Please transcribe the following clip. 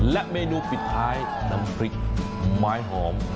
และเมนูปิดท้ายน้ำพริกไม้หอม